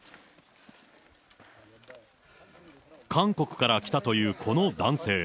韓国から来たというこの男性。